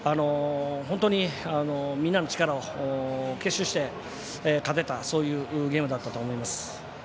本当に、みんなの力を結集して勝てたというゲームだったと思います。